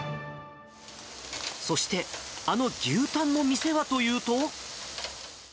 そして、あの牛タンの店はというと。